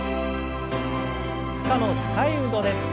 負荷の高い運動です。